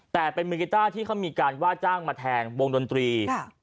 แต่เป็นมือกีต้าที่เขามีการว่าจ้างมาแทนวงดนตรี